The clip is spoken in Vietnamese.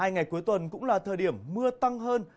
hai ngày cuối tuần cũng là thời điểm mưa tăng hơn